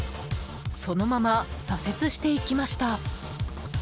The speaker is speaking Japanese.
そのまま左折していきました。